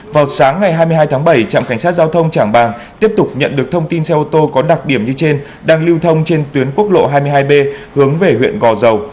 vào sáng ngày hai mươi hai tháng bảy trạm cảnh sát giao thông trảng bàng tiếp tục nhận được thông tin xe ô tô có đặc điểm như trên đang lưu thông trên tuyến quốc lộ hai mươi hai b hướng về huyện gò dầu